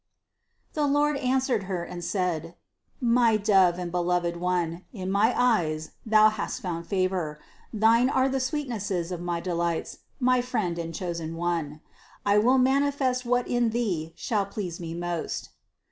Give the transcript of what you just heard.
391. The Lord answered Her and said: "My Dove and Beloved One, in my eyes thou hast found favor; thine are the sweetnesses of my delights, my friend and chosen one. I will manifest what in thee shall please Me most."